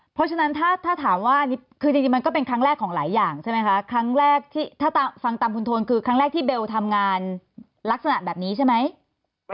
เพราะฉะนั้นถ้าถามว่าอันนี้คือจริงมันก็เป็นครั้งแรกของหลายอย่างใช่ไหมคะครั้งแรกที่ถ้าฟังตามคุณโทนคือครั้งแรกที่เบลทำงานลักษณะแบบนี้ใช่ไหม